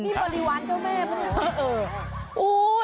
นี่บริวารเจ้าแม่เหรอ